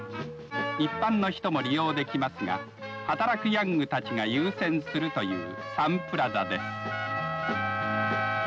一般の人も利用できますが働くヤングたちを優先するというサンプラザです。